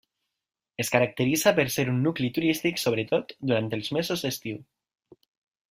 Es caracteritza per ser un nucli turístic, sobretot durant els mesos d'estiu.